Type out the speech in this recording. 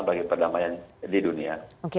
bagi perdamaian di dunia